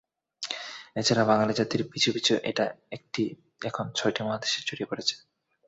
এছাড়া বাঙালি জাতির পিছু পিছু এটা এখন ছয়টি মহাদেশে ছড়িয়ে পড়েছে।